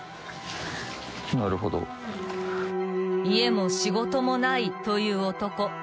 ［家も仕事もないという男］